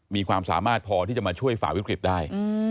มีความสามารถพอที่จะมาช่วยฝ่าวิกฤตได้